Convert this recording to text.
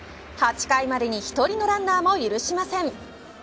８回までに１人のランナーも許しません。